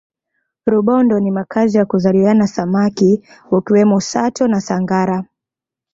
rubondo ni makazi ya kuzaliana samaki wakiwemo sato na sangara